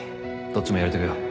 どっちもやり遂げよう